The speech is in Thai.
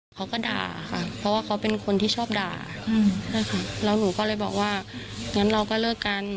เขาก็ด่าค่ะเพราะว่าเขาเป็นคนที่ชอบด่าแล้วหนูก็เลยบอกว่างั้นเราก็เลิกกัน